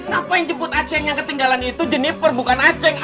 ngapain jemput aceh yang ketinggalan itu jeniper bukan aceh